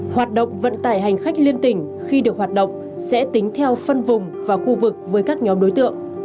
hoạt động vận tải hành khách liên tỉnh khi được hoạt động sẽ tính theo phân vùng và khu vực với các nhóm đối tượng